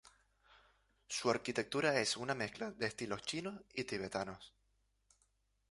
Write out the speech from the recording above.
Su arquitectura es una mezcla de estilos chino y tibetano.